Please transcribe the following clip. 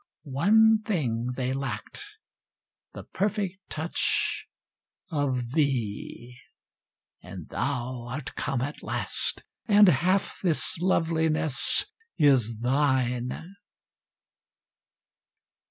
One thing they lacked: the perfect touch Of thee and thou art come at last, And half this loveliness is thine.